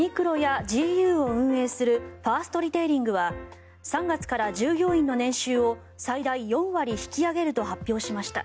ユニクロやＧＵを運営するファーストリテイリングは３月から従業員の年収を最大４割引き上げると発表しました。